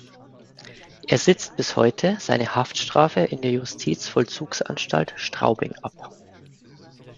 Er sitzt bis heute seine Haftstrafe in der Justizvollzugsanstalt Straubing ab.